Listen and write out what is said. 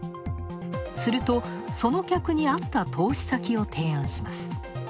すると、その客に合った投資先を提案します。